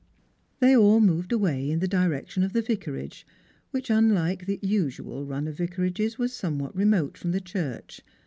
They all moved away in the direction of the Vicarage, which, unlike the usual run of vicarages, was somewhat remote from the church.